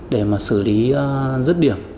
để mà xử lý rứt điểm